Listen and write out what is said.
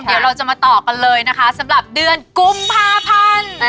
เดี๋ยวเราจะมาต่อกันเลยนะคะสำหรับเดือนกุมภาพันธ์